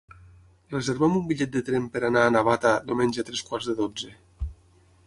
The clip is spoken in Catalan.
Reserva'm un bitllet de tren per anar a Navata diumenge a tres quarts de dotze.